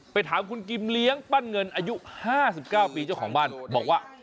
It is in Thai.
ถามคุณกิมเลี้ยงปั้นเงินอายุ๕๙ปีเจ้าของบ้านบอกว่า